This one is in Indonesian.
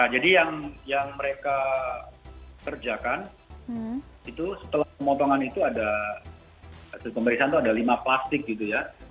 jadi yang mereka kerjakan itu setelah pemotongan itu ada lima plastik gitu ya